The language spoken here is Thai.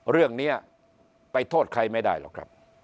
เรื่องนี้ไปโทษใครไม่ได้หรอกครับ